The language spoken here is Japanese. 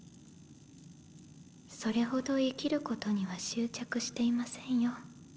それほど生きることには執着していませんよ